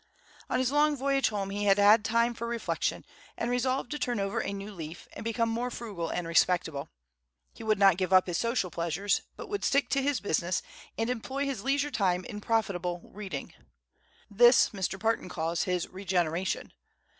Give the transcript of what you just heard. On his long voyage home he had had time for reflection, and resolved to turn over a new leaf, and become more frugal and respectable. He would not give up his social pleasures, but would stick to his business, and employ his leisure time in profitable reading. This, Mr. Parton calls his "regeneration."